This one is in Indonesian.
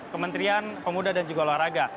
kementerian pemuda dan juga luar raga